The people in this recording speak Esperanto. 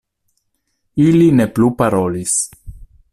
Ili ne plu parolis.